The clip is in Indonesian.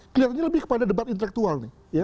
kelihatannya lebih kepada debat intelektual nih